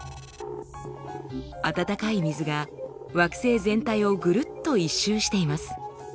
あたたかい水が惑星全体をぐるっと一周しています。